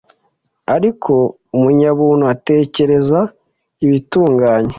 Ariko umunyabuntu atekereza ibitunganye,